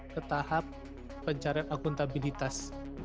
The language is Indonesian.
ke tahap pencarian akuntabilitas